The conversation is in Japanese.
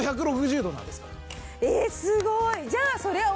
ええすごい！